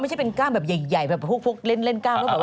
ถ้าใส่เอาตัวไหนเอาตัวไหนไม่ไหว